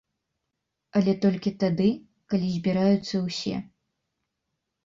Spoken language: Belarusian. Але толькі тады, калі збіраюцца ўсе!